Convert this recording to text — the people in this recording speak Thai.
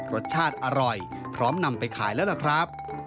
รสชาติอร่อยพร้อมนำไปขายแล้วล่ะครับ